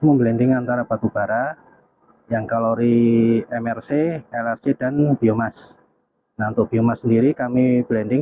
memblending antara batubara yang kalori mrc lrc dan biomas nah untuk biomas sendiri kami blending